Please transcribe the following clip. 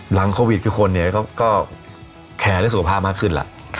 หลังโควิดคือคนก็แคร์ด้วยสุขภาพมากขึ้น